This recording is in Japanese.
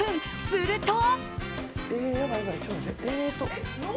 すると。